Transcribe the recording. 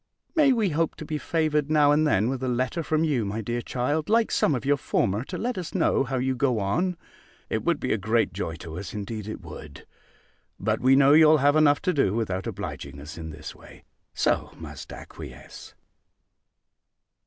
May we hope to be favoured now and then with a letter from you, my dear child, like some of your former, to let us know how you go on? It would be a great joy to us; indeed it would. But we know you'll have enough to do without obliging us in this way. So must acquiesce.